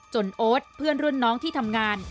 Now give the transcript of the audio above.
โอ๊ตเพื่อนรุ่นน้องที่ทำงาน